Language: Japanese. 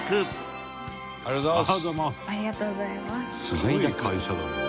すごい会社だな。